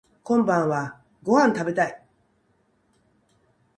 こんばんはご飯食べたい